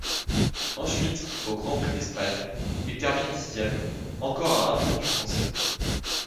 Ensuite, au Grand Prix d'Espagne, il termine dixième, encore à un tour du Français.